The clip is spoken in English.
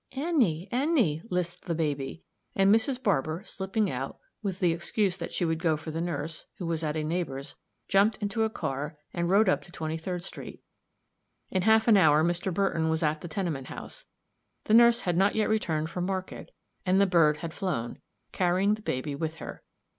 "An nee an nee," lisped the baby and Mrs. Barber, slipping out, with the excuse that she would go for the nurse, who was at a neighbor's, jumped into a car, and rode up to Twenty third street. In half an hour Mr. Burton was at the tenement house; the nurse had not yet returned from market, and the bird had flown, carrying the baby with her.